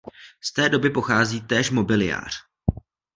Z té doby pochází též mobiliář.